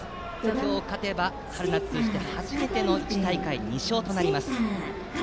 今日勝てば、春夏そして初めての１大会２勝となります。